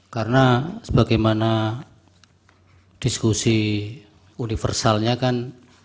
karena sebagaimana diskusi universalnya kan